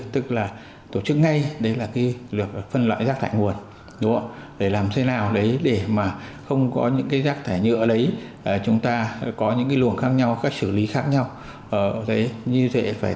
trong đó việc phân loại rác thải tại nguồn vẫn còn đang là mắt xích yếu trong giải pháp đồng bộ xử lý rác thải